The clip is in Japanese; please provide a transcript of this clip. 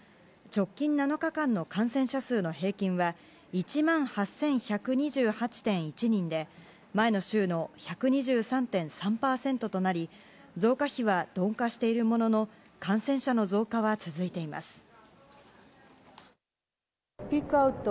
直近７日間の感染者数の平均は１万８１２８．１人で前の週の１２３．３％となり増加比は鈍化しているものの感染者の増加は続いています。